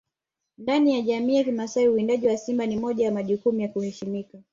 Ndani ya jamii ya kimasai uwindaji wa simba ni moja ya majukumu ya kuheshimika